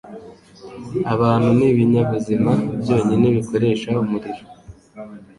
Abantu nibinyabuzima byonyine bikoresha umuriro